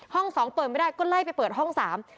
สองเปิดไม่ได้ก็ไล่ไปเปิดห้องสาม